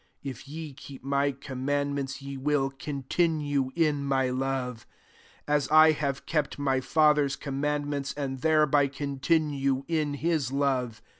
10 If ye keep my com mandments, ye will continue in my love; as I have kept my Father's commandments, and thereby continue in his love.